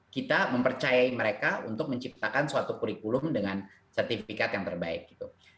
kita mempercayai mereka untuk menciptakan suatu kurikulum dengan sertifikat yang terbaik gitu